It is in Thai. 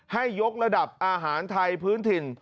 ยกระดับอาหารไทยพื้นถิ่น